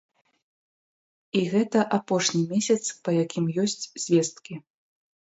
І гэта апошні месяц, па якім ёсць звесткі.